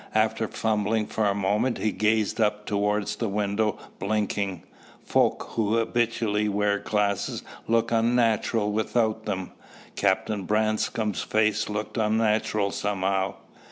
After fumbling for a moment, he gazed up towards the window, blinking. Folk who habitually wear glasses look unnatural without them. Captain Branscome's face looked unnatural somehow.